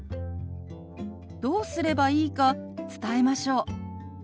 どうすればいいか伝えましょう。